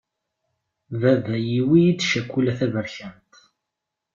Baba yewwi-yi-d cakula taberkant.